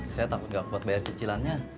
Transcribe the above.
saya takut gak kuat bayar cicilannya